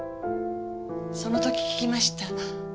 その時聞きました。